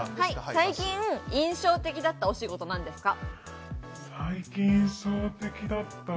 最近印象的だったお仕事、なんですか？